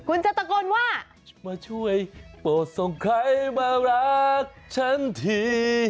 คุณจะตะโกนว่ามาช่วยโปรดส่งใครมารักฉันที